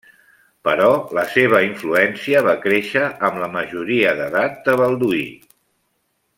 Però la seva influència va créixer amb la majoria d'edat de Balduí.